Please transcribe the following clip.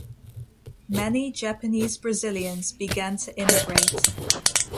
Many Japanese Brazilians began to immigrate.